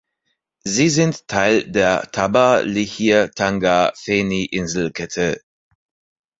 Sie sind Teil der "Tabar-Lihir-Tanga-Feni-Inselkette".